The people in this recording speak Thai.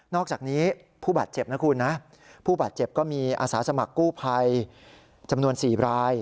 อกจากนี้ผู้บาดเจ็บนะคุณนะผู้บาดเจ็บก็มีอาสาสมัครกู้ภัยจำนวน๔ราย